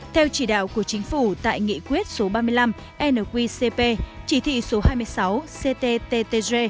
theo chỉ đạo của chính phủ tại nghị quyết số ba mươi năm nqcp chỉ thị số hai mươi sáu cttg